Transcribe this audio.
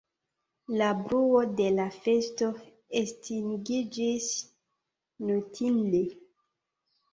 La bruo de la festo estingiĝis notinde.